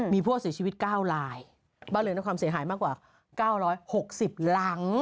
มีพวกสิ่งชีวิตเก้าลายบ้านอื่นแล้วความเสียหายมากกว่าเก้าร้อยหกสิบหลัง